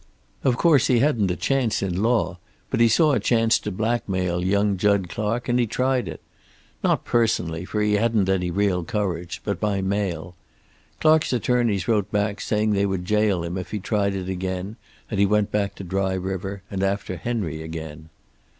Of course he hadn't a chance in law, but he saw a chance to blackmail young Jud Clark and he tried it. Not personally, for he hadn't any real courage, but by mail. Clark's attorneys wrote back saying they would jail him if he tried it again, and he went back to Dry River and after Henry again.